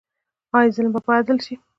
آیا ظلم به عدل شي؟